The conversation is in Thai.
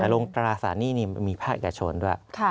ลงตราสารหนี้นี่มีภาคแก่ชนด้วย